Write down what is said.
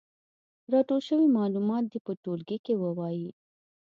راټول شوي معلومات دې په ټولګي کې ووايي.